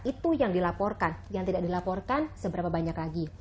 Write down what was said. itu yang dilaporkan yang tidak dilaporkan seberapa banyak lagi